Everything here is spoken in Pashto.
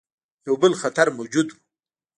یو بل خطر موجود وو.